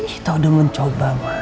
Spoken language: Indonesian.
kita udah mencoba ma